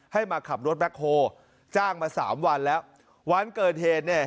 ให้มาขับรถแบ็คโฮจ้างมาสามวันแล้ววันเกิดเหตุเนี่ย